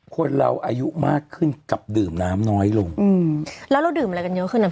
คนเราอายุมากขึ้นกับดื่มน้ำน้อยลงอืมแล้วเราดื่มอะไรกันเยอะขึ้นอ่ะ